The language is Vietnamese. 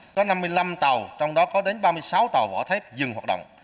có năm mươi năm tàu trong đó có đến ba mươi sáu tàu vỏ thép dừng hoạt động